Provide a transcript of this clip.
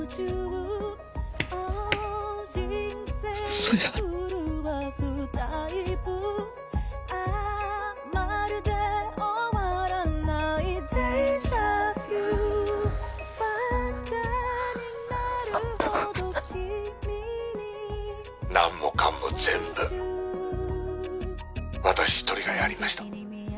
嘘やお父さん何もかんも全部私一人がやりました